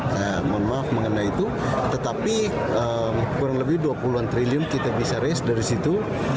saya mohon maaf mengenai itu tetapi kurang lebih dua puluh an triliun kita bisa race dari situ